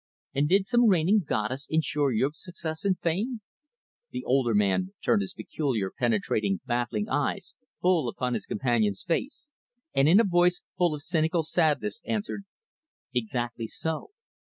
"And did some reigning 'Goddess' insure your success and fame?" The older man turned his peculiar, penetrating, baffling eyes full upon his companion's face, and in a voice full of cynical sadness answered, "Exactly so.